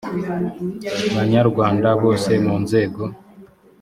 banyarwanda bose mu nzego